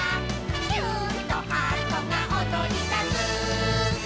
「キューンとハートがおどりだす」